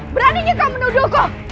beraninya kau menuduhku